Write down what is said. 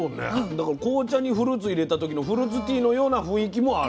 だから紅茶にフルーツ入れた時のフルーツティーのような雰囲気もある。